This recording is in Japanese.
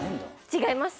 違います。